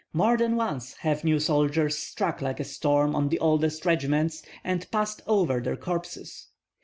More than once have new soldiers struck like a storm on the oldest regiments, and passed over their corpses.